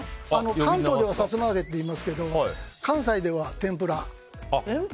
関東ではさつま揚げって言いますけど関西では天ぷら。